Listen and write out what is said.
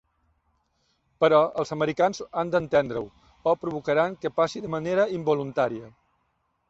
Però els americans han d'entendre-ho o provocaran que passi de manera involuntària.